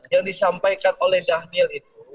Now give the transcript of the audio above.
yang disampaikan oleh dhanil itu